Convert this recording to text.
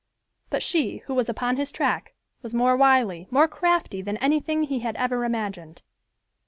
But she, who was upon his track, was more wily, more crafty than anything he had ever imagined.